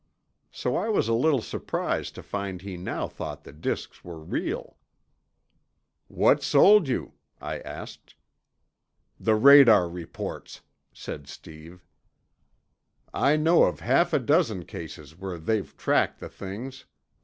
So I was a little surprised to find he now thought the disks were real. "What sold you?" I asked. "The radar reports," said Steve. "I know of half a dozen cases where they've tracked the things.